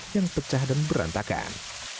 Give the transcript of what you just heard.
yang pecah dan berantakan